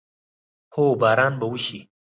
هو، باران به وشي